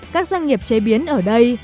các doanh nghiệp chế biến ở đây